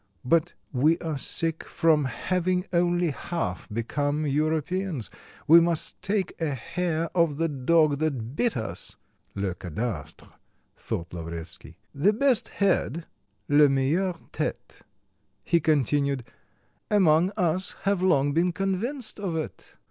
But we are sick from having only half become Europeans, we must take a hair of the dog that bit us ("le cadastre," thought Lavretsky). "The best head, les meilleures têtes," he continued, "among us have long been convinced of it.